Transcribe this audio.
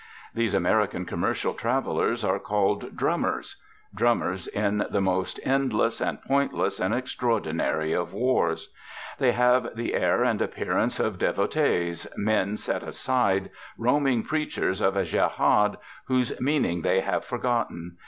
These American commercial travellers are called 'drummers'; drummers in the most endless and pointless and extraordinary of wars. They have the air and appearance of devotees, men set aside, roaming preachers of a jehad whose meaning they have forgotten.